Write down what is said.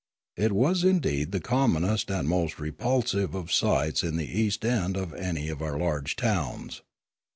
It was indeed the commonest and most repulsive of sights in the east end of any of our large towns.